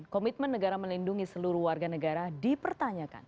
komitmen negara melindungi seluruh warga negara dipertanyakan